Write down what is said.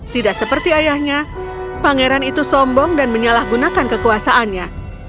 tidak seperti ayahnya pangeran itu sombong dan menyalahgunakan kekuasaannya